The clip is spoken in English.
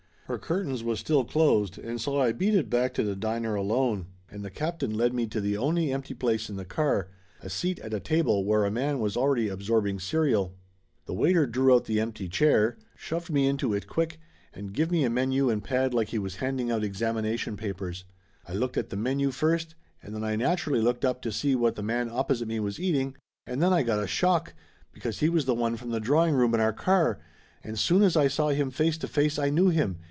Her curtains was still closed, and so I beat it back to the diner alone, and the captain led me to the only empty place in the car a seat at a table where a man was already absorbing cereal. The waiter drew out the empty chair, shoved me Laughter Limited 63 into it quick, and give me a menu and pad like he was handing out examination papers. I looked at the menu first, and then I naturally looked up to see what the man opposite me was eating, and then I got a shock, because he was the one from the drawing room in our car, and soon as I saw him face to face I knew him.